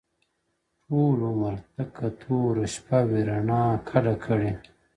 o ټول عمر تكه توره شپه وي رڼا كډه كړې ـ